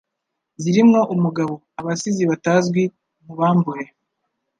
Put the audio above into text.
ZIRIMWO UMUGABO, Abasizi Batazwi nkubambure